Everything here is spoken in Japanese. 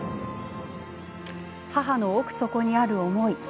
母の奥底にある思い。